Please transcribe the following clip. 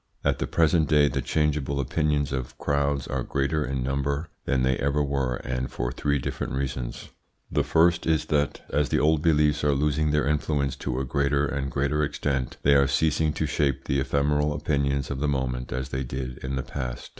At the present day the changeable opinions of crowds are greater in number than they ever were, and for three different reasons. The first is that as the old beliefs are losing their influence to a greater and greater extent, they are ceasing to shape the ephemeral opinions of the moment as they did in the past.